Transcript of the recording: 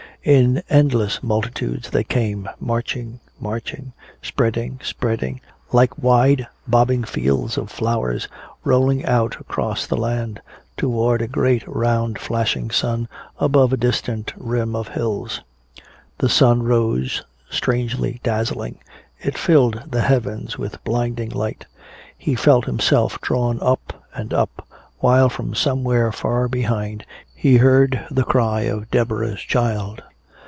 In endless multitudes they came marching, marching, spreading, spreading, like wide bobbing fields of flowers rolling out across the land, toward a great round flashing sun above a distant rim of hills. The sun rose strangely dazzling. It filled the heavens with blinding light. He felt himself drawn up and up while from somewhere far behind he heard the cry of Deborah's child.